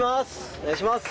お願いします！